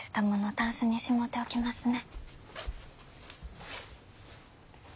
タンスにしもうておきますね。